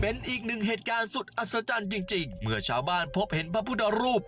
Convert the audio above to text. เป็นอีกหนึ่งเหตุการณ์สุดอัศจรรย์จริงเมื่อชาวบ้านพบเห็นพระพุทธรูป